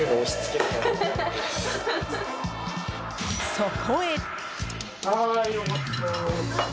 そこへ。